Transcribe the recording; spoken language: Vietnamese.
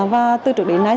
và từ trước đến nay